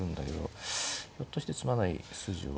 ひょっとして詰まない筋を。